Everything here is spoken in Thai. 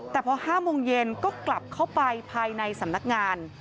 แต่พอ๕โมงเย็นก็กลับเข้าไปภายในสำนักงาน